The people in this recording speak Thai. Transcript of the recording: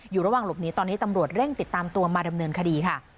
ระหว่างหลบหนีตอนนี้ตำรวจเร่งติดตามตัวมาดำเนินคดีค่ะ